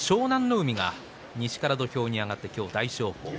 海、西から土俵に上がって今日は大翔鵬戦。